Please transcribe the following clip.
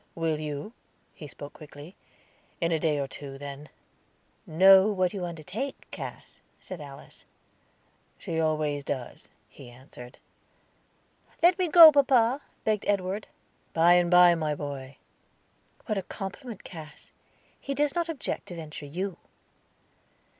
"Will you?" he spoke quickly. "In a day or two, then." "Know what you undertake, Cass," said Alice. "She always does," he answered. "Let me go, papa," begged Edward. "By and by, my boy." "What a compliment, Cass! He does not object to venture you."